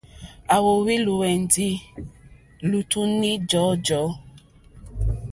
À wóhwì lùwɛ̀ndì lítúní jɔ̀ɔ́jɔ̀ɔ́.